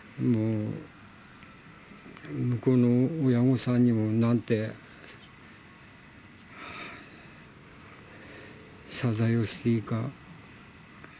向こうの親御さんにも、なんて謝罪をしていいか。